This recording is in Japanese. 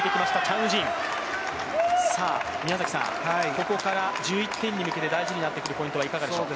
ここから１１点に向けて大事になってくるポイントはどこでしょう。